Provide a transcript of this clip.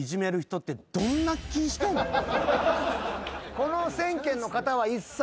この１，０００件の方は。